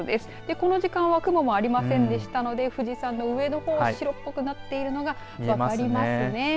この時間は雲もありませんでしたので富士山の上のほうは白っぽくなっているのが分かりますね。